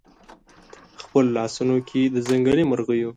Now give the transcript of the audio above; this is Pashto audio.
خپلو لاسونو کې د ځنګلي مرغیو